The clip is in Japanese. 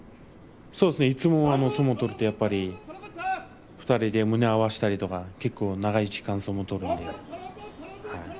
いつも相撲を取ると２人で胸を合わせたりとか結構長い時間相撲を取るので。